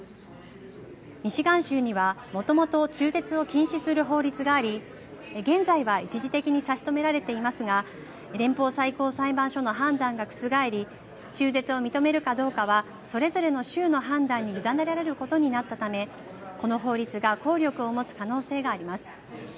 ミシガン州にはもともと中絶を禁止する法律があり現在は一時的に差し止められていますが連邦最高裁判所の判断が覆り、中絶を認めるかどうかはそれぞれの州の判断に委ねられることになったためこの法律が効力を持つ可能性があります。